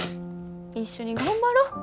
一緒に頑張ろ。